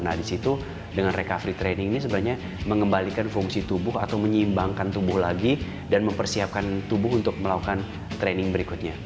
nah disitu dengan recovery training ini sebenarnya mengembalikan fungsi tubuh atau menyimbangkan tubuh lagi dan mempersiapkan tubuh untuk melakukan training berikutnya